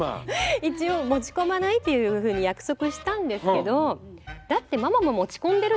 一応持ち込まないっていうふうに約束したんですけどあママ持ち込んでた？